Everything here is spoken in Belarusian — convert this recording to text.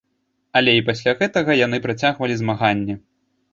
Але і пасля гэтага яны працягвалі змаганне.